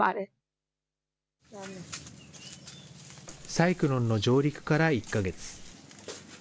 サイクロンの上陸から１か月。